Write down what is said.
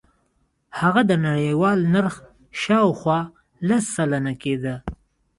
هغه د نړیوال نرخ شاوخوا لس سلنه کېده.